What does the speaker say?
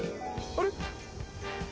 あれ？